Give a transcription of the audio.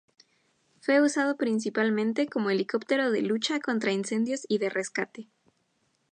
Fue usado principalmente como helicóptero de lucha contra incendios y de rescate.